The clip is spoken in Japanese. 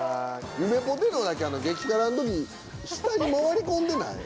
ゆめぽてのだけ激辛の時下に回り込んでない？